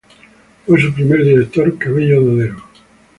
Fue su primer director Cabello Dodero.